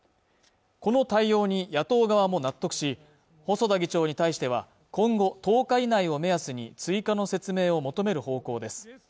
この対応に野党側も納得し細田議長に対しては今後１０日以内を目安に追加の説明を求める方向です